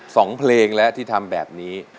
สองเพลงแล้วที่ทำแบบนี้